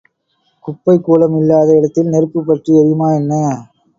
குப்பை கூளம் இல்லாத இடத்தில் நெருப்புப் பற்றி எரியுமா என்ன?